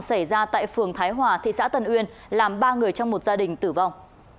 xảy ra tại phường thái hòa thị xã tân uyên làm ba người trong một gia đình tử vong